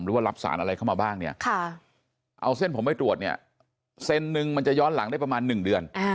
หรือว่ารับสารอะไรเข้ามาบ้างเนี่ยเอาเส้นผมไปตรวจเนี่ยเส้นหนึ่งมันจะย้อนหลังได้ประมาณ๑เดือน